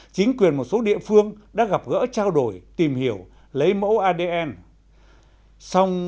chính quyền một số địa phương đã gặp gỡ trao đổi tìm hiểu lấy mẫu adn